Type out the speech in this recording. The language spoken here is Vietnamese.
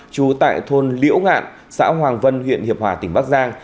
trú tại thôn liễu ngạn xã hoàng vân huyện hiệp hòa tỉnh bắc giang